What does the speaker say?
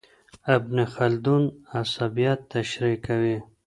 ابن خلدون عصبيت تشريح کوي.